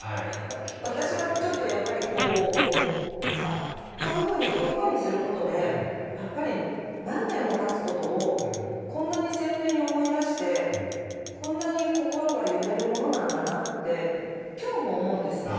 私はちょっとやっぱりこうこういうふうに言葉にすることでやっぱり何年もたつことをこんなに鮮明に思い出してこんなに心が揺れるものなんだなって今日も思うんです。